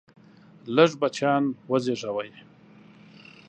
لږ بچیان وزیږوئ!